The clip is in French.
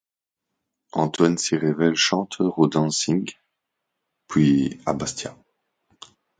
Antoine s'y révèle chanteur au dancing, puis à Bastia.